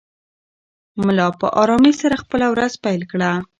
ملا په ارامۍ سره خپله ورځ پیل کړه.